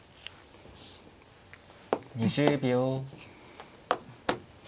２０秒。